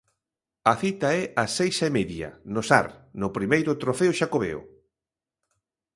A cita é ás seis e media, no Sar, no Primeiro Trofeo Xacobeo.